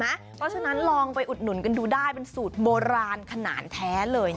เพราะฉะนั้นลองไปอุดหนุนกันดูได้เป็นสูตรโบราณขนาดแท้เลย